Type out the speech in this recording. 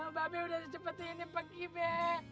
mbak mbak udah secepat ini pergi mbak